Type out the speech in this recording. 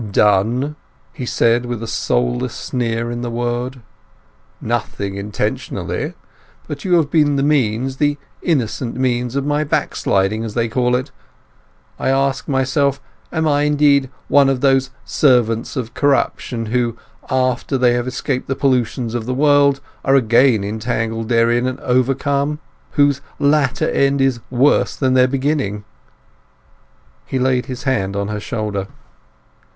"Done?" he said, with a soulless sneer in the word. "Nothing intentionally. But you have been the means—the innocent means—of my backsliding, as they call it. I ask myself, am I, indeed, one of those 'servants of corruption' who, 'after they have escaped the pollutions of the world, are again entangled therein and overcome'—whose latter end is worse than their beginning?" He laid his hand on her shoulder.